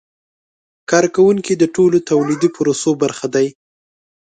کارکوونکي د ټولو تولیدي پروسو برخه دي.